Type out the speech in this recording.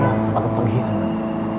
dari saya sebagai pengkhianat